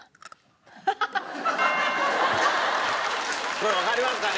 これわかりますかね？